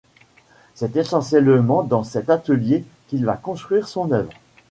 C'est essentiellement dans cet atelier qu'il va construire son œuvre.